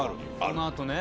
このあとね。